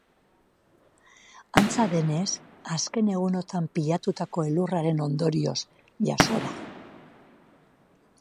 Antza denez, azken egunotan pilatutako elurraren ondorioz jazo da.